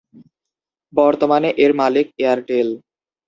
বর্তমানে এর মালিক এয়ারটেল।